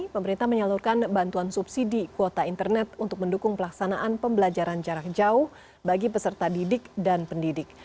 pemerintah menyalurkan bantuan subsidi kuota internet untuk mendukung pelaksanaan pembelajaran jarak jauh bagi peserta didik dan pendidik